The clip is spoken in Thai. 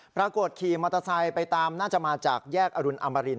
ขี่มอเตอร์ไซค์ไปตามน่าจะมาจากแยกอรุณอมริน